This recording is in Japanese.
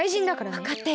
わかってる。